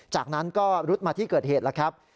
จากนั้นก็รุดมาที่เกิดเหตุแล้วครับ